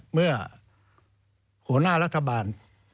เมื่อหัวหน้ารัฐบาล